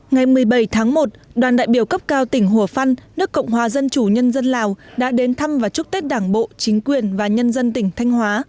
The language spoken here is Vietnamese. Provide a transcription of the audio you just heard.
ngày một mươi bảy tháng một đoàn đại biểu cấp cao tỉnh hùa phân nước cộng hòa dân chủ nhân dân lào đã đến thăm và chúc tết đảng bộ chính quyền và nhân dân tỉnh thanh hóa